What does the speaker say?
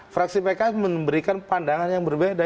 fraksi pks memberikan pandangan yang berbeda